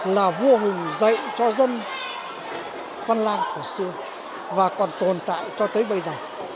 là vua hùng dạy cho dân văn lan cổ xưa và còn tồn tại cho tới bây giờ